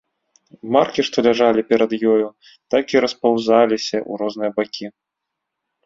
Маркі, што ляжалі перад ёю, так і распаўзаліся ў розныя бакі.